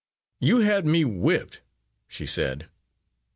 "You had me whipped," she said.